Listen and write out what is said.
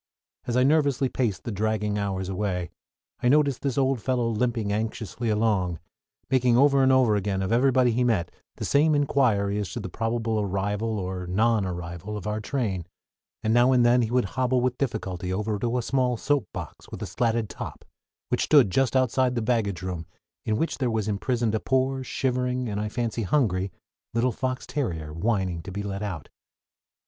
As I nervously paced the dragging hours away I noticed this old fellow limping anxiously about, making over and over again of everybody he met the same inquiry as to the probable arrival or non arrival of our train; and now and then he would hobble with difficulty over to a small soap box, with a slatted top, which stood just outside the baggage room, in which there was imprisoned a poor, shivering, and I fancy hungry, little fox terrier, whining to be let out.